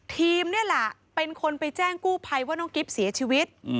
นี่แหละเป็นคนไปแจ้งกู้ภัยว่าน้องกิ๊บเสียชีวิต